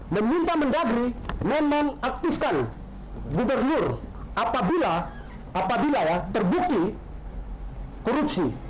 menyinta mendagri memanaktifkan gubernur apabila terbukti korupsi